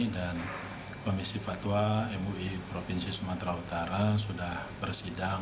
dan komisi fatwa mui provinsi sumatera utara sudah bersidang